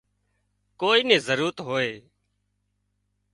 ڪوئي نين ضرورت هوئي